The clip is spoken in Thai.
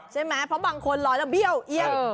ใช่ไหมเพราะบางคนลอยแล้วเบี้ยวเอี้ยง